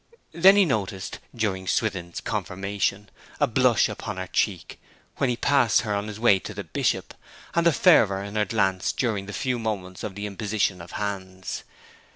Then he had noticed, during Swithin's confirmation, a blush upon her cheek when he passed her on his way to the Bishop, and the fervour in her glance during the few moments of the imposition of hands.